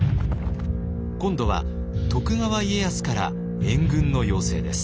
今度は徳川家康から援軍の要請です。